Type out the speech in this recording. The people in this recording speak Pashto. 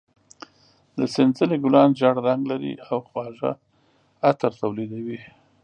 د سنځلې ګلان زېړ رنګ لري او خواږه عطر تولیدوي.